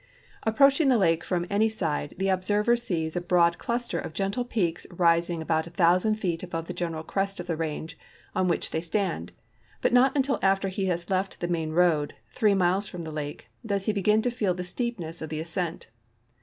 Approaching the lake from any side, the observer sees a 1)road cluster of gentle })eaks rising al)out a thousand feet above the general crest of the range on wbii;h tliey stand, i)ut not until after he has left the main road, three miles from tlie lake, does lie l)egin to feel the steepness of the ascent.